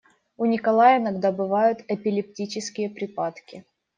У Николая иногда бывают эпилептические припадки